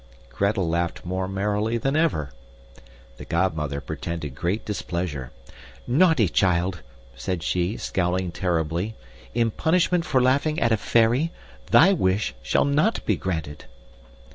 Gretel laughed more merrily than ever. The godmother pretended great displeasure. "Naughty child," said she, scowling terribly. "In punishment for laughing at a fairy, THY wish shall not be granted."